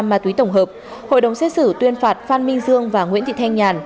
ma túy tổng hợp hội đồng xét xử tuyên phạt phan minh dương và nguyễn thị thanh nhàn